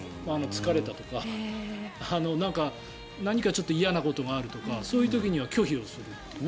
疲れたとか何かちょっと嫌なことがあるとかそういう時には拒否をするという。